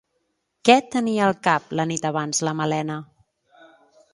Què tenia al cap la nit abans la Malena?